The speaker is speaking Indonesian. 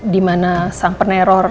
dimana sang peneror ini